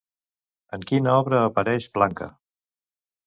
En quina obra apareix Blanca?